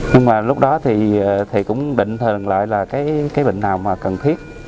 nhưng mà lúc đó thì cũng định thường lại là cái bệnh nào mà cần thiết